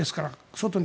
外に。